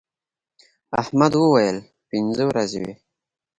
احمد وويل: پینځه ورځې وې.